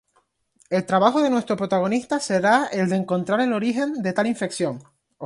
El trabajo de nuestro protagonista será el de encontrar el origen de tal infección.